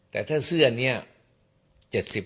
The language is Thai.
แต่ถ้าเสื้อนี้